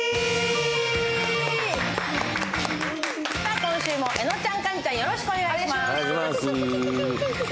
今週もえのちゃん、菅ちゃん、よろしくお願いします。